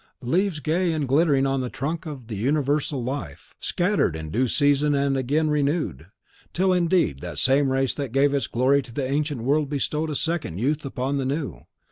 leaves gay and glittering on the trunk of the universal life, scattered in due season and again renewed; till, indeed, the same race that gave its glory to the ancient world bestowed a second youth upon the new.